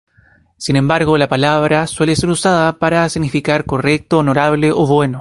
Sin embargo, la palabra suele ser usada para significar correcto, honorable, o bueno.